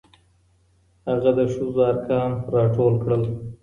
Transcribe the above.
هغه د ښځو ارقام راټول کړل.